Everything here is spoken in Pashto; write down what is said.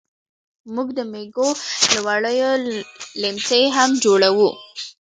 موږ د مېږو له وړیو لیمڅي هم جوړوو.